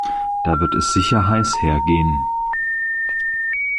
Da wird es sicher heiß hergehen.